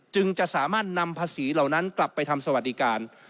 จึงจะสามารถนำภาษีเหล่านั้นกลับไปทำสวัสดิการ